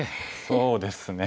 そうですね。